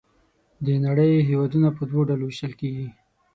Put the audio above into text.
د نړۍ هېوادونه په دوه ډلو ویشل کیږي.